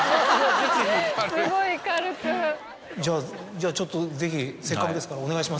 じゃあちょっとぜひせっかくですからお願いします。